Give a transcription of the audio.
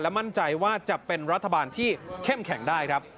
มั่นใจว่าจะเป็นรัฐบาลที่เข้มแข็งได้ครับ